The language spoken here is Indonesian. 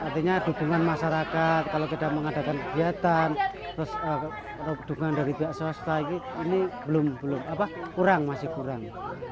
artinya dukungan masyarakat kalau kita mengadakan kegiatan terus dukungan dari pihak swasta ini belum masih kurang